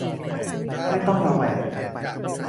ไม่ต้องระแวง